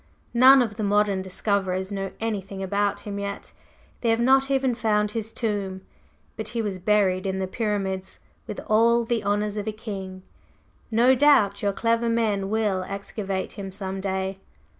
"None of the modern discoverers know anything about him yet. They have not even found his tomb; but he was buried in the Pyramids with all the honors of a king. No doubt your clever men will excavate him some day."